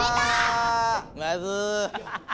まず。